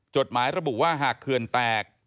จดหมายระบุว่าหากเขื่อนแตก